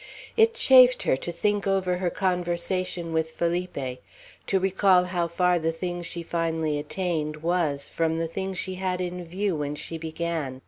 It chafed her to think over her conversation with Felipe; to recall how far the thing she finally attained was from the thing she had in view when she began.